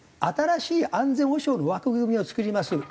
「新しい安全保障の枠組みを作ります」。